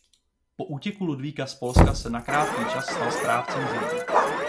Po útěku Ludvíka z Polska se na krátký čas stal správcem země.